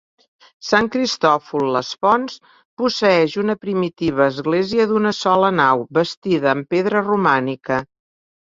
Sant Cristòfol les Fonts posseeix una primitiva església d'una sola nau bastida amb pedra romànica.